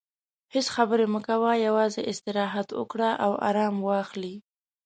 هیڅ خبرې مه کوه، یوازې استراحت وکړه او ارام واخلې.